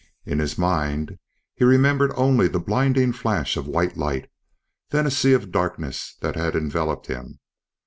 In his mind, he remembered only the blinding flash of white light, then a sea of darkness that had enveloped him.